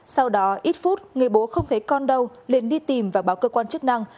sau đó ít phút người bố không thấy con đâu liền đi tìm và báo cơ quan chức năng